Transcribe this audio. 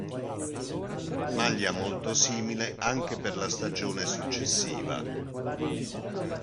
Maglia molto simile anche per la stagione successiva.